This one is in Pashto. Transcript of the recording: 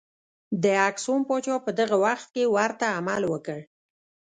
د اکسوم پاچا په دغه وخت کې ورته عمل وکړ.